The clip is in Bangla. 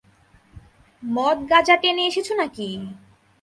মদ গাঁজা টেনে এসেছ নাকি?